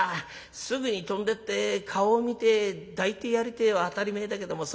すぐに飛んでって顔を見て抱いてやりてえは当たり前だけどもそれができねえ。